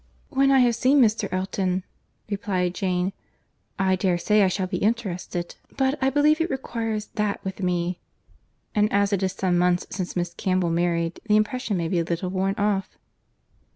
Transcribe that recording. "When I have seen Mr. Elton," replied Jane, "I dare say I shall be interested—but I believe it requires that with me. And as it is some months since Miss Campbell married, the impression may be a little worn off."